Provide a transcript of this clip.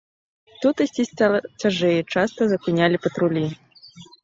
Тут ісці стала цяжэй, часта запынялі патрулі.